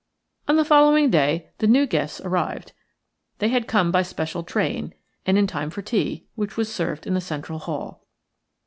On the following day the new guests arrived. They had come by special train, and in time for tea, which was served in the central hall.